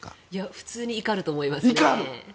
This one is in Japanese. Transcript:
普通に怒ると思いますね。